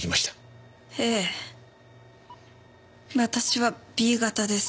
ええ私はＢ型です。